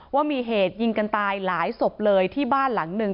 ว่ามีเหตุยิงกันตายหลายศพเลยที่บ้านหลังหนึ่ง